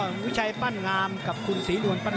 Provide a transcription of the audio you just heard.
มันมีรายการมวยนัดใหญ่อยู่นัด